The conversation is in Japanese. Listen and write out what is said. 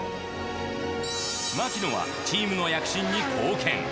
牧野はチームの躍進に貢献。